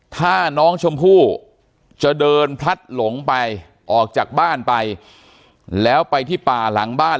ถ้าน้องชมพู่จะเดินพลัดหลงไปออกจากบ้านไปแล้วไปที่ป่าหลังบ้าน